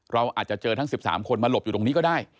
เราอาจจะเจอทั้ง๑๓คนมาหลบอยู่ตรงนี้ก็ได้